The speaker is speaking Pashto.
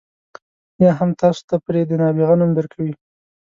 یا هم تاسو ته پرې د نابغه نوم درکوي.